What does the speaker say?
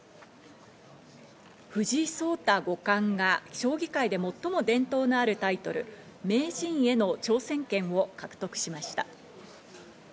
藤井聡太五冠が将棋界で最も伝統のあるタイトル、名人への挑戦権を獲得しました。